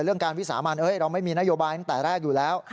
การวิสามันเราไม่มีนโยบายตั้งแต่แรกอยู่แล้ว